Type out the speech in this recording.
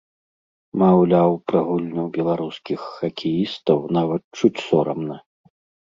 Маўляў, пра гульню беларускіх хакеістаў нават чуць сорамна.